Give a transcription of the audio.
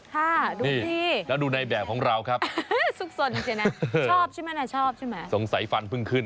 ค่ะดูพี่แล้วดูในแบบของเราครับชอบใช่ไหมสงสัยฟันเพิ่งขึ้น